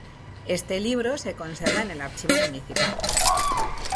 Este libro se conserva en el Archivo Municipal.